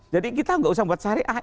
jadi kita tidak usah membuat syariah